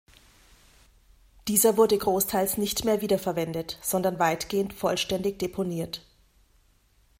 Dieser wurde großteils nicht mehr wiederverwendet, sondern weitgehend vollständig deponiert.